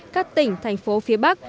các tỉnh thành phố phía bắc